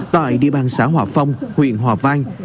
tại địa bàn xã hòa phong huyện hòa vang